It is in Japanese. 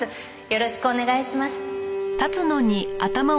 よろしくお願いします。